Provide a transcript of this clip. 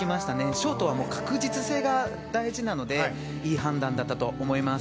ショートは確実性が大事なのでいい判断だったと思います。